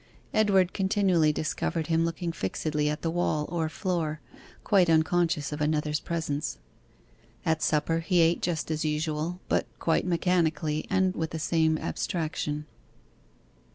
Edward continually discovered him looking fixedly at the wall or floor, quite unconscious of another's presence. At supper he ate just as usual, but quite mechanically, and with the same abstraction.